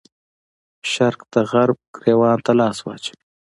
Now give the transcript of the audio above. شرق د غرب ګرېوان ته لاس واچوي.